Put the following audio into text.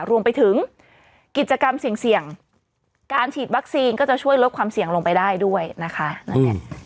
รวมไปถึงกิจกรรมเสี่ยงการฉีดวัคซีนก็จะช่วยลดความเสี่ยงลงไปได้ด้วยนะคะ